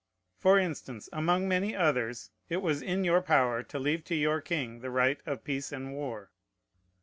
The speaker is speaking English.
For instance, among many others, it was in your power to leave to your king the right of peace and war.